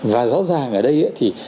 và rõ ràng ở đây thì